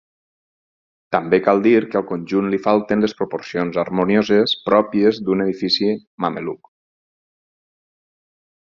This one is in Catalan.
També cal dir que al conjunt li falten les proporcions harmonioses pròpies d'un edifici mameluc.